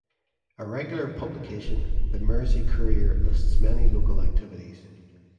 A regular publication, the "Mersea Courier", lists many local activities.